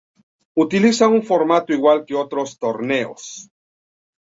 Utiliza un formato igual que otros torneos.